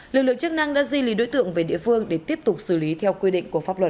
lực lượng chức năng đã di lý đối tượng về địa phương để tiếp tục xử lý theo quy định của pháp luật